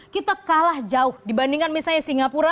kita kalah jauh dibandingkan misalnya singapura